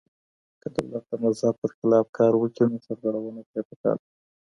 که دولت د مذهب پر خلاف کار وکړي نو سرغړونه ترې پکار ده.